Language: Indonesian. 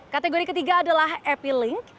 kategori ketiga adalah appealing